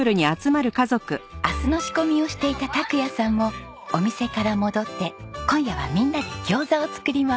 明日の仕込みをしていた拓也さんもお店から戻って今夜はみんなで餃子を作ります。